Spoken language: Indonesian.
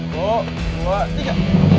satu dua tiga